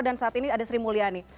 dan saat ini ada sri mulyani